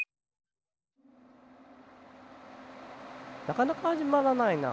なかなかはじまらないな。